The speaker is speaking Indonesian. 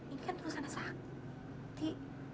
ini kan tulisan sakti